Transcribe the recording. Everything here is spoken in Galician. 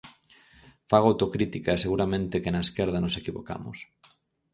Fago autocrítica e seguramente que na esquerda nos equivocamos.